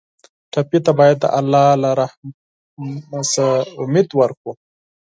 ټپي ته باید د الله له رحم نه امید ورکړو.